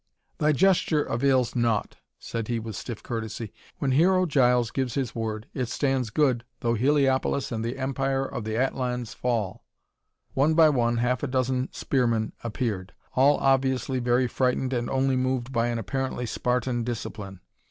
"Thy gesture avails naught," said he with stiff courtesy. "When Hero Giles gives his word, it stands good though Heliopolis and the Empire of the Atlans fall." One by one half a dozen spearmen appeared, all obviously very frightened and only moved by an apparently Spartan discipline.